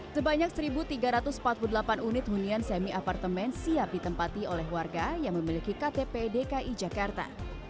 sebanyak satu tiga ratus empat puluh delapan unit hunian semi apartemen siap ditempati oleh warga yang memiliki ktp dki jakarta